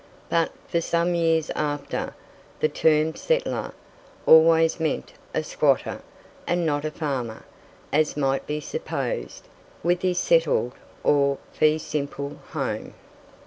But, for some years after, the term "settler" always meant a squatter, and not a farmer, as might be supposed, with his "settled" or fee simple home.